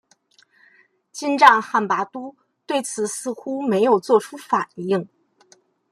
金帐汗拔都对此似乎没有作出反应。